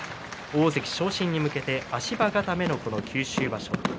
大関昇進に向けて足場固めのこの九州場所です。